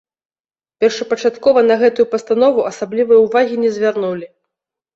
Першапачаткова на гэтую пастанову асаблівай увагі не звярнулі.